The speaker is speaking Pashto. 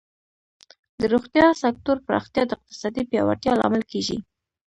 د روغتیا سکتور پراختیا د اقتصادی پیاوړتیا لامل کیږي.